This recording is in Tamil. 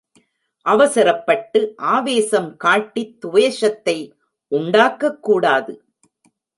அவசரப்பட்டு ஆவேசம் காட்டித் துவேஷத்தை உண்டாக்கக் கூடாது.